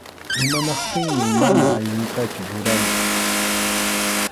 Imanaptinmi mana aynitachu ruranchik.